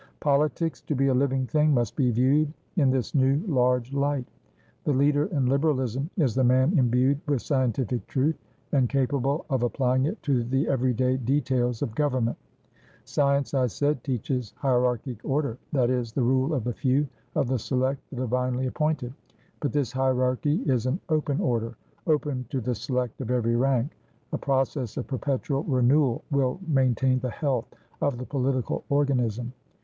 "Politics, to be a living thing, must be viewed in this new, large light. The leader in Liberalism is the man imbued with scientific truth, and capable of applying it to the every day details of government. Science, I said, teaches hierarchic orderthat is, the rule of the few, of the select, the divinely appointed. But this hierarchy is an open orderopen to the select of every rank; a process of perpetual renewal will maintain the health of the political organism.